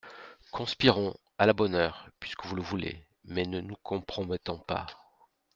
Conspirons, à la bonne heure, puisque vous le voulez, mais ne nous compromettons pas.